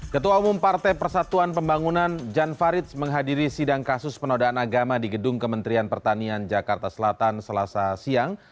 ketua umum partai persatuan pembangunan jan farid menghadiri sidang kasus penodaan agama di gedung kementerian pertanian jakarta selatan selasa siang